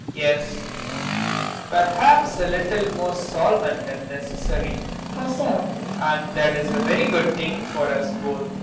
] Yes, perhaps a little more solemn than necessary. MAIA. How so ? PROFESSOR RUBEK. And that is a very good thing for us both.